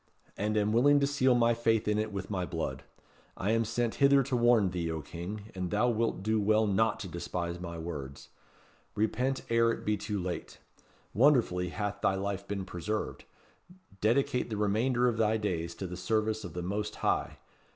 "And am willing to seal my faith in it with my blood. I am sent hither to warn thee, O King, and thou wilt do well not to despise my words. Repent ere it be too late. Wonderfully hath thy life been preserved. Dedicate the remainder of thy days to the service of the Most High.